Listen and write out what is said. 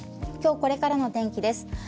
今日これからの天気です。